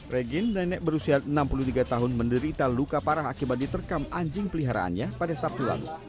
regin nenek berusia enam puluh tiga tahun menderita luka parah akibat diterkam anjing peliharaannya pada sabtu lalu